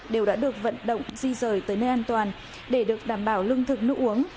đều đã được vận động di rời tới nơi an toàn để được đảm bảo lương thực nước uống